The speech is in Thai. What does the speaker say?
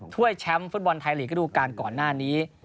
ถ้วยแชมป์ฟุตบอลไทยลีกก็ดูกันก่อนหน้านี้